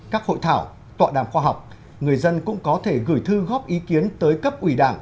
các hội thảo tọa đàm khoa học người dân cũng có thể gửi thư góp ý kiến tới cấp ủy đảng